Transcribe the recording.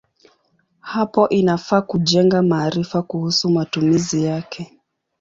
Hapo inafaa kujenga maarifa kuhusu matumizi yake.